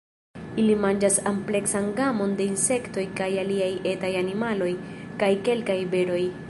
Ili manĝas ampleksan gamon de insektoj kaj aliaj etaj animaloj kaj kelkaj beroj.